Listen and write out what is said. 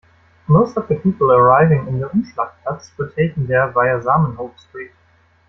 Most of the people arriving in the Umschlagplatz were taken there via Zamenhof Street.